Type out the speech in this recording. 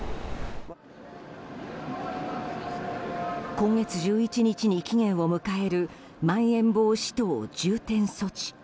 今月１１日に期限を迎えるまん延防止等重点措置。